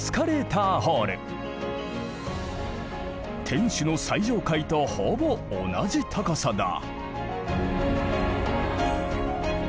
天守の最上階とほぼ同じ高さだ。